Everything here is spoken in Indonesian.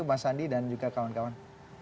mas andi dan juga kawan kawan